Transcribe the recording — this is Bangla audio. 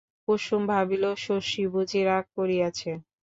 কুসুম ভাবিল, শশী বুঝি রাগ করিয়াছে।